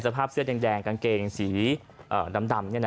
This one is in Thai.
กางเกงสีดำ